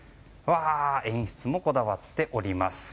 演出もこだわっております。